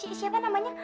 itu siapa namanya